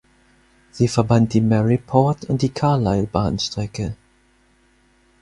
Sie verband die Maryport- und die Carlisle-Bahnstrecke.